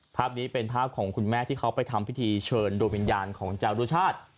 ภาพนี้เป็นภาพของคุณแม่ที่เขาไปทำพิธีเชิญดูวิญญาณของจารุชาติ